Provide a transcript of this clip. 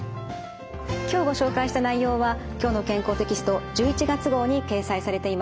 今日ご紹介した内容は「きょうの健康」テキスト１１月号に掲載されています。